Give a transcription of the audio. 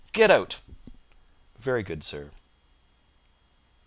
"Get out!" "Very good, sir."